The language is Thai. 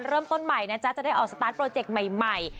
เริ่มต้นใหม่จะได้ออกสตาร์ทโปรเจคใหม่